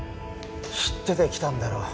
知ってて来たんだろう？